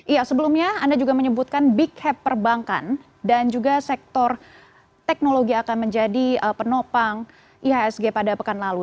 iya sebelumnya anda juga menyebutkan big happ perbankan dan juga sektor teknologi akan menjadi penopang ihsg pada pekan lalu